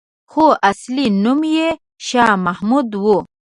خو اصلي نوم یې شا محمد وو.